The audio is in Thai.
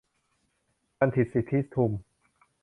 บัณฑิต สิทธิทุม